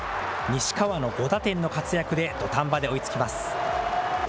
西川の５打点の活躍で土壇場で追いつきます。